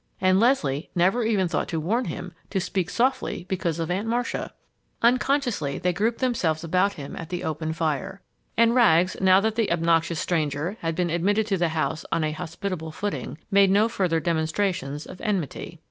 And Leslie never even thought to warn him to speak softly because of Aunt Marcia! Unconsciously they grouped themselves about him at the open fire. And Rags, now that the obnoxious stranger had been admitted to the house on a hospitable footing, made no further demonstrations of enmity.